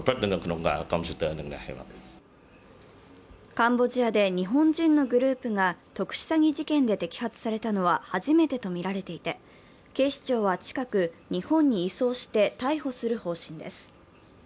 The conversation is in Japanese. カンボジアで日本人のグループが特殊詐欺事件で摘発されたのは初めてとみられていて警視庁は近く日本に移送して逮捕する方針です。